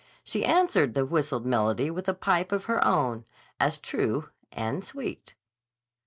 She answered the whistled melody with a pipe of her own, as true and sweet.